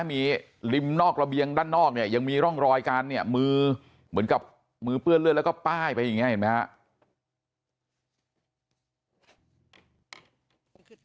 ในนี้ลิมนอกระเบียงด้านนอกยังมีร่องรอยการมือเหมือนกับมือเปื้อนเลือดแล้วก็ป้ายไปอย่างเนี้ยเห็นมั้ยฮะ